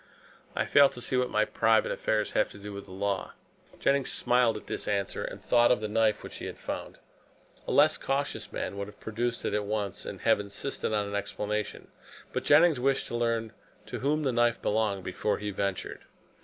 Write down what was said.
"I fail to see what my private affairs have to do with the law." Jennings smiled at this answer and thought of the knife which he had found. A less cautious man would have produced it at once and have insisted on an explanation. But Jennings wished to learn to whom the knife belonged before he ventured.